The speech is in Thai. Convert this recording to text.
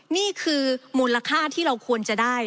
นี่คือมูลค่าที่เราควรจะได้